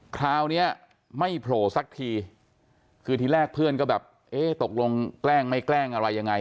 คราวนี้ไม่โผล่สักทีคือทีแรกเพื่อนก็แบบเอ๊ะตกลงแกล้งไม่แกล้งอะไรยังไง